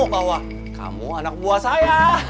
bahwa kamu anak buah saya